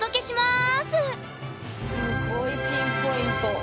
すごいピンポイント。